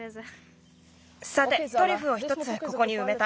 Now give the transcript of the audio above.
さてトリュフを１つここにうめた。